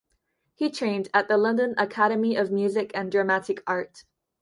He trained at the London Academy of Music and Dramatic Art.